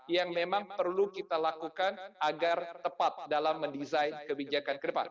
yang memang perlu kita lakukan agar tepat dalam mendesain kebijakan ke depan